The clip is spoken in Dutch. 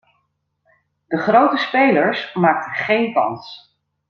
De grote spelers maakten geen kans.